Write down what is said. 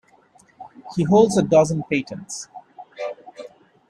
He holds a dozen patents.